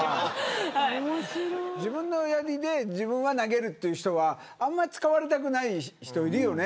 自分のやりで自分が投げる人はあまり使われたくない人いるよね。